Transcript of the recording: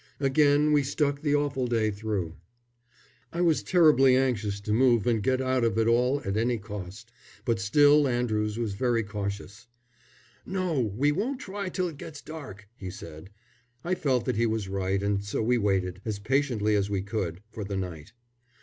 Again we stuck the awful day through. I was terribly anxious to move and get out of it all at any cost; but still Andrews was very cautious. "No, we won't try till it gets dark," he said. I felt that he was right, and so we waited, as patiently as we could, for the night.